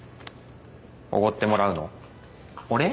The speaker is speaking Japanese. おごってもらうのお礼？